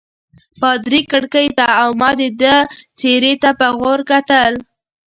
پادري کړکۍ ته او ما د ده څېرې ته په غور وکتل.